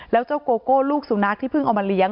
แล้วเจ้าโก้ลูกสูรอักษมณะที่เพิ่งเอามาเลี้ยง